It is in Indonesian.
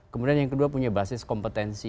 kemudian yang kedua punya basis kompetensi